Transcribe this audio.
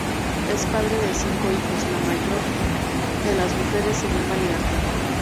Es padre de cinco hijos, la mayor de las mujeres se llama libertad.